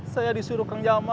saya disuruh kang jamal